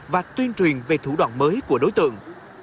và tuyên truyền về thủ đoạn mới của đối tượng